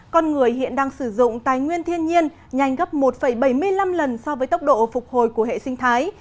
con người hiện đang sử dụng tài nguyên thiên nhiên nhanh gấp một bảy mươi năm lần so với tốc độ phục hồi của hệ sinh thái